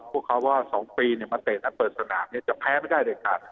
เพราะว่า๒ปีมาแต่นัดเปิดสนามจะแพ้ไม่ได้ด้วยค่ะ